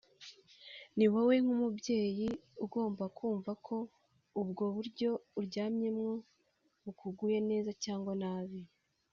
ni wowe nk’umubyeyi ugomba kumva ko ubwo buryo uryamyemo bukuguye neza cyangwa nabi